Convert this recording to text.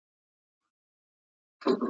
سړي وویله ورک یمه حیران یم ,